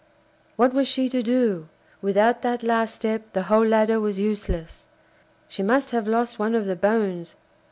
What was she to do? Without that last step the whole ladder was useless. She must have lost one of the bones.